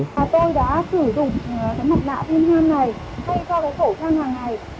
và tôi đã sử dụng cái mặt lạ thêm hai ngày thay cho cái sổ trang hàng ngày